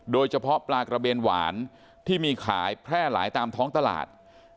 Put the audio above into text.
โดยเฉพาะปลากระเบนหวานที่มีขายแพร่หลายตามท้องตลาด